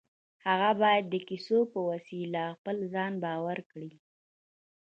هغه بايد د کيسو په وسيله پر ځان باور کړي.